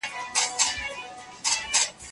هغه داقتصادي ودي پر ځای اقتصادي ترقي هم کاروي.